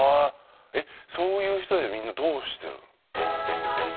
えそういう人ってみんなどうしてる？